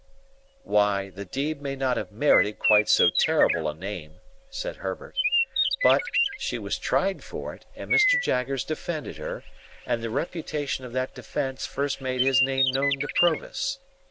"Why, the deed may not have merited quite so terrible a name," said Herbert, "but, she was tried for it, and Mr. Jaggers defended her, and the reputation of that defence first made his name known to Provis.